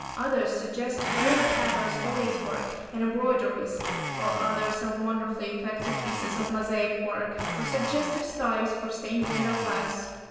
Others suggest rare patterns for lace work and embroideries, while others are wonderfully effective pieces of mosaic work, or suggestive studies for stained window glass.